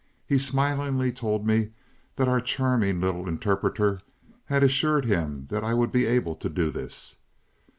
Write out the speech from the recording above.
He smilingly told me that our charming little interpreter had assured him I would be able to do this.